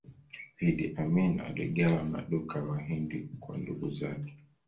iddi amini aligawa maduka ya wahindi kwa ndugu zake